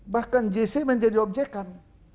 bahkan jc menjadi objekan